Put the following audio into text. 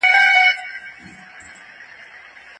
د خوشحالۍ سرچینه ذهني سکون دی.